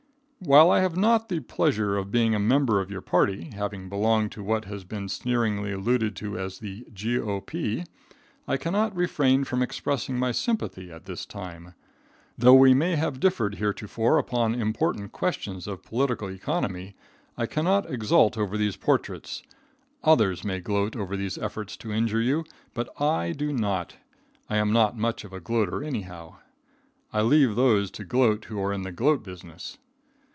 While I have not the pleasure of being a member of your party, having belonged to what has been sneeringly alluded to as the g.o.p., I cannot refrain from expressing my sympathy at this time. Though we may have differed heretofore upon important questions of political economy, I cannot exult over these portraits. Others may gloat over these efforts to injure you, but I do not. I am not much of a gloater, anyhow. I leave those to gloat who are in the gloat business.